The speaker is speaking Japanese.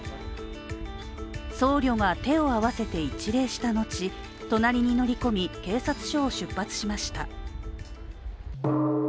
僧侶が手を合わせて一礼したのち隣に乗り込み警察署を出発しました。